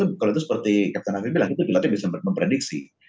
tapi kalau itu seperti kak nunafe bilang itu bisa memprediksi